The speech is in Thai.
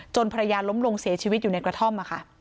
ภรรยาล้มลงเสียชีวิตอยู่ในกระท่อม